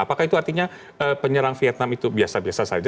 apakah itu artinya penyerang vietnam itu biasa biasa saja